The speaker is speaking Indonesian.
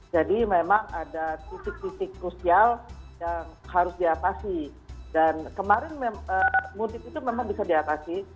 jadi memang ada titik titik krusial yang harus diatasi dan kemarin mutik itu memang bisa diatasi